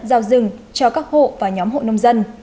giao rừng cho các hộ và nhóm hộ nông dân